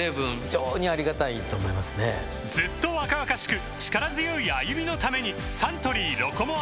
ずっと若々しく力強い歩みのためにサントリー「ロコモア」